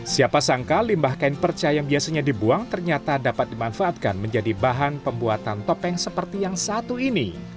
siapa sangka limbah kain perca yang biasanya dibuang ternyata dapat dimanfaatkan menjadi bahan pembuatan topeng seperti yang satu ini